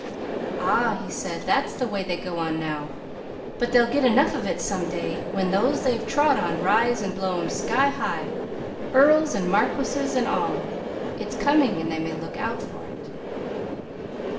"Ah," he said, "that's the way they go on now; but they'll get enough of it some day, when those they've trod on rise and blow 'em up sky high, earls and marquises and all! It's coming, and they may look out for it!"